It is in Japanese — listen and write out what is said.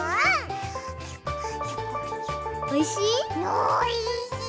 おいしい？